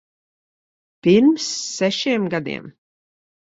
Pirms sešiem gadiem.